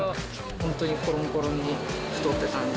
本当にころんころんに太ってたんで。